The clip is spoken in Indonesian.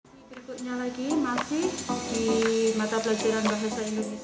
ini berikutnya lagi masih di mata pelajaran bahasa indonesia